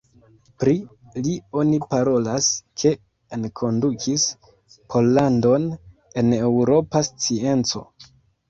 Pri li oni parolas ke enkondukis Pollandon en eŭropa scienco.